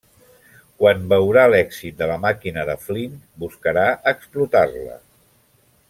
Quan veurà l'èxit de la màquina de Flint, buscarà explotar-la.